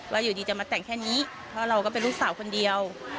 อยู่ดีจะมาแต่งแค่นี้เพราะเราก็เป็นลูกสาวคนเดียว